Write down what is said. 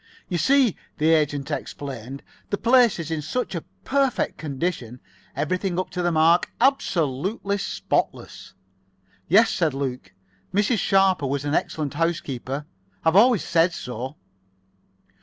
"You see," the agent explained, "the place is in such a perfect condition. Everything up to the mark. Absolutely spotless." "Yes," said Luke. "Mrs. Sharper was an excellent housekeeper. I've always said so."